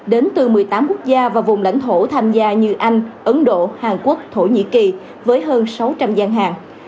đến từ một mươi tám quốc gia và vùng lãnh thổ tham gia như anh ấn độ hàn quốc thổ nhĩ kỳ với hơn sáu trăm linh gian hàng